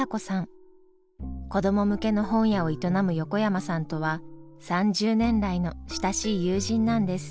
子ども向けの本屋を営む横山さんとは３０年来の親しい友人なんです。